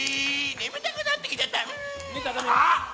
眠たくなってきちゃった、んあ！